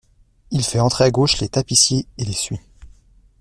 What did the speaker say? Il fait entrer à gauche les tapissiers et les suit.